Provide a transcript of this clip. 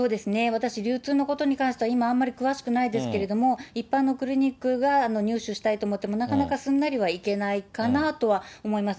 私流通のことに関しては、今あんまり詳しくないですけれども、一般のクリニックが入手したいと思ってもなかなかすんなりはいけないかなとは思います。